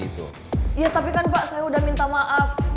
iya tapi kan pak saya sudah minta maaf